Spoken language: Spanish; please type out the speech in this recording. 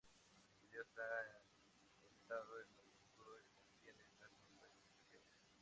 El video está ambientado en el futuro y contiene diversos efectos especiales.